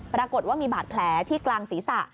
ปรากฏว่ามีบาดแผลที่กลางศีรษะ